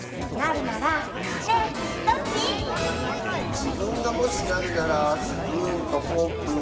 じぶんがもしなるならスプーンとフォーク。